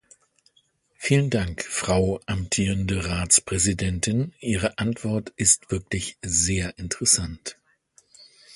Vielen Dank, Frau amtierende Ratspräsidentin, Ihre Antwort ist wirklich sehr interessant.